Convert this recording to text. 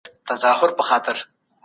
خلګ څنګه جرګي ته خپل شکایتونه رسوي؟